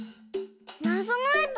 なぞのえと